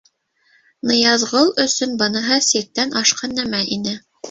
Ныязғол өсөн быныһы сиктән ашҡан нәмә ине.